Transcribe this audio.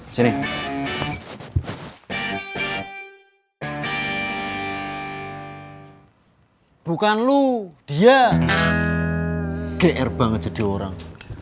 jerih bukan lu dia gr banget jadi orang